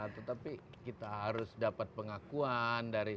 tetapi kita harus dapat pengakuan